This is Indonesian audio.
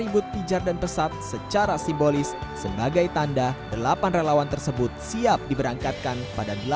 ribut pijar dan pesat secara simbolis sebagai tanda delapan relawan tersebut siap diberangkatkan pada